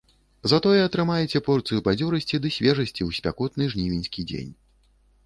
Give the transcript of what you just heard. Затое атрымаеце порцыю бадзёрасці ды свежасці ў спякотны жнівеньскі дзень.